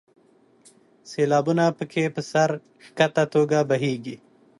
سیلابونه په کې په سر ښکته توګه بهیږي.